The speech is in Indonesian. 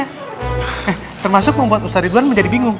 eh termasuk membuat ustadz ridwan menjadi bingung